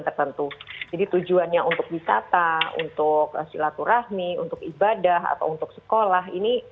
tertentu jadi tujuannya untuk wisata untuk silaturahmi untuk ibadah atau untuk sekolah ini